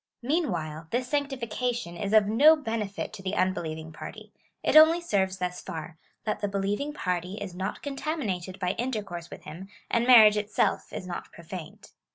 Meanwhile this sanctifica tion is of no benefit to the unbelieving party ; it only serves thus far, that the believing party is not contaminated by intercourse with him, and marriage itself is not profaned.